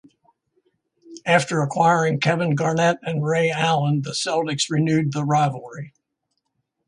After acquiring Kevin Garnett and Ray Allen, the Celtics renewed the rivalry.